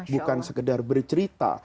bukan sekedar bercerita